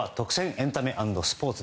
エンタメ＆スポーツ。